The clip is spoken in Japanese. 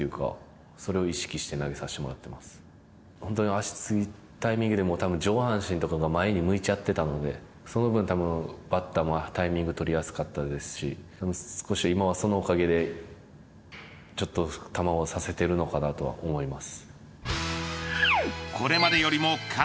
足がつくタイミングで上半身とかが前に向いちゃってたのでその分バッターもタイミングを取りやすかったですし少し今はそのおかげで球をさせているのかなとは思います。